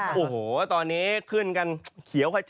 โหตอนนี้ขึ้นกันเขียวค่ะเจ